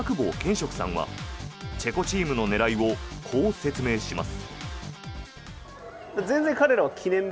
植さんはチェコチームの狙いをこう説明します。